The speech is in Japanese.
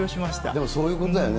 でも、そういうことだよね。